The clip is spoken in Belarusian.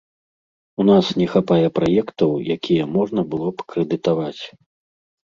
У нас не хапае праектаў, якія можна было б крэдытаваць.